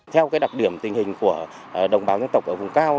theo đặc điểm tình hình của đồng bào dân tộc ở vùng cao